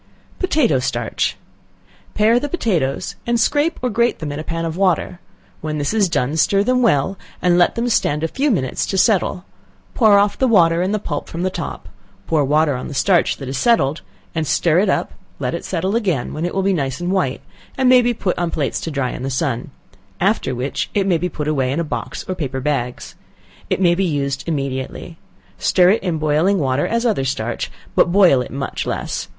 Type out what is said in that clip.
Potato Starch. Pare the potatoes and scrape or grate them in a pan of water, when this is done stir them well, and let them stand a few minutes to settle, pour off the water and the pulp from the top; pour water on the starch that has settled, and stir it up, let it settle again, when it will be nice and white, and may be put on plates to dry in the sun, after which it may be put away in a box or paper bags. It maybe used immediately. Stir it in boiling water as other starch, but boil it much less.